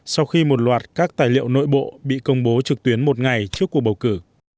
sau khi một loạt các tài liệu nội bộ bị công bố trực tuyến một ngày trước cuộc bầu cử